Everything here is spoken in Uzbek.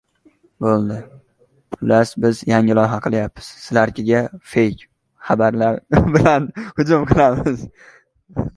Yoshlarga tadbirkorlik uchun ajratiladigan kreditlar sharti ma’lum qilindi